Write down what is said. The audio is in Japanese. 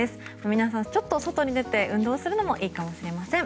皆さん、ちょっと外に出て運動するのもいいかもしれません。